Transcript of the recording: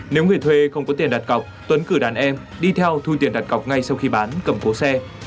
nếu người thuê không có tiền đặt cọc tuấn cử đàn em đi theo thu tiền đặt cọc ngay sau khi bán cầm cố xe